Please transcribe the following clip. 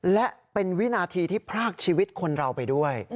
และเป็นวินาทีที่พรากชีวิตคนเราไปด้วย